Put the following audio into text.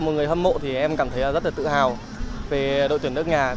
một người hâm mộ thì em cảm thấy rất là tự hào về đội tuyển nước nhà